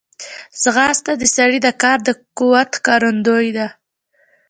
ځغاسته د سړي د کار د قوت ښکارندوی ده